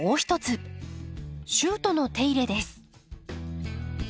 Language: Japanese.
シュートの手入れです。